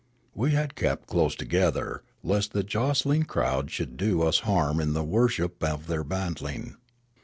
We had kept close together, lest the jostling crowd should do us harm iu the worship of their bantling.